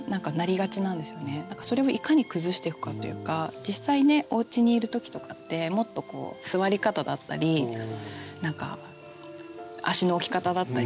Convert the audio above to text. それをいかに崩していくかというか実際ねおうちにいる時とかってもっと座り方だったり何か足の置き方だったりもっと雑だと思うんですよね。